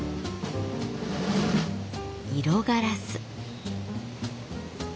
色ガラス。